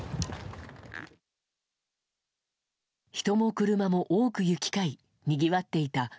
人も車も多く行き交いにぎわっていた